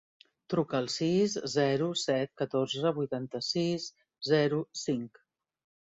Truca al sis, zero, set, catorze, vuitanta-sis, zero, cinc.